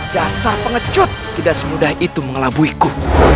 jasa pengecut tidak semudah itu mengelabui ku